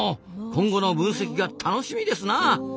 今後の分析が楽しみですな。